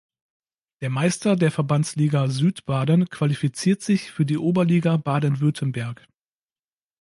Der Meister der Verbandsliga Südbaden qualifiziert sich für die Oberliga Baden-Württemberg.